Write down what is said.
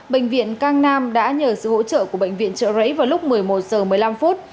bệnh viện cang nam đã nhờ sự hỗ trợ của bệnh viện trợ rẫy vào lúc một mươi một giờ một mươi năm phút